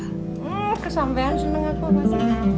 hmm kesampean seneng aku